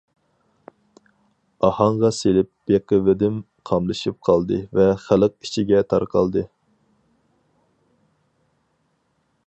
ئاھاڭغا سېلىپ بېقىۋىدىم قاملىشىپ قالدى ۋە خەلق ئىچىگە تارقالدى.